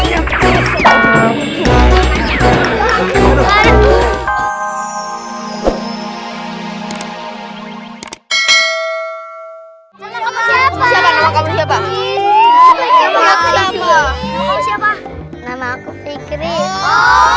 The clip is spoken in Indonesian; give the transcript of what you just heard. gak boleh mereka